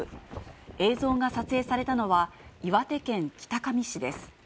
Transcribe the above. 映像が撮影されたのは、岩手県北上市です。